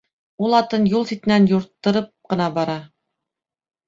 Ул атын юл ситенән юрттырып ҡына бара.